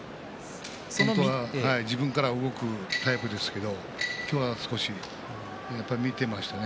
自分から動くタイプですけれども今日は少し見ていますね。